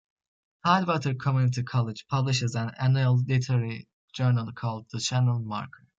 Tidewater Community College publishes an annual literary journal called the "Channel Marker".